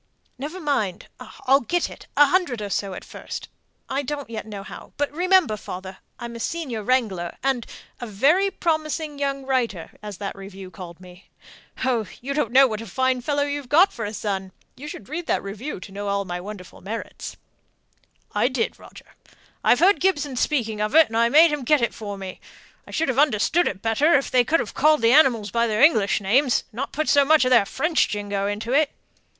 "Never mind; I'll get it a hundred or so at first I don't yet know how but remember, father, I'm a senior wrangler, and a 'very promising young writer,' as that review called me. Oh, you don't know what a fine fellow you've got for a son! You should have read that review to know all my wonderful merits." "I did, Roger. I heard Gibson speaking of it, and I made him get it for me. I should have understood it better if they could have called the animals by their English names, and not put so much of their French jingo into it."